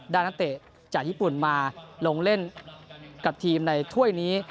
นักเตะจากญี่ปุ่นมาลงเล่นกับทีมในถ้วยนี้